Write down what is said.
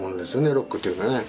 ロックっていうのはね。